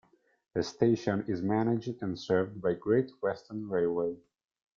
The station is managed and served by Great Western Railway.